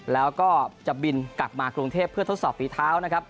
แล้วก็จะบินกลับมากรุงเทพเพื่อทดสอบฝีเท้านะครับ